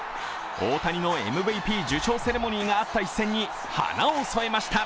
大谷のＭＶＰ受賞セレモニーがあった一戦に、花を添えました。